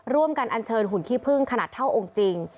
อันเชิญหุ่นขี้พึ่งขนาดเท่าองค์จริง